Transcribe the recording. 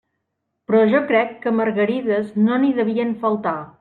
Però jo crec que margarides no n'hi devien faltar.